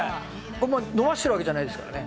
これ引き伸ばしてるわけじゃないですからね。